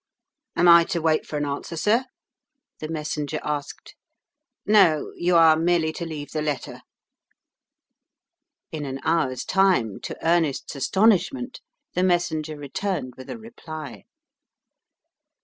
"Am I to wait for an answer, sir?" the messenger asked. "No; you are merely to leave the letter." In an hour's time, to Ernest's astonishment, the messenger returned with a reply.